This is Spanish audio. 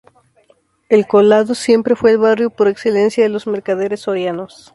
El Collado siempre fue el barrio por excelencia de los mercaderes sorianos.